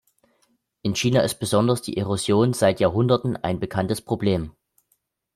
In China ist besonders die Erosion seit Jahrhunderten ein bekanntes Problem.